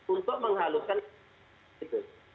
untuk menghaluskan waktu